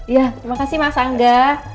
ya terima kasih mas angga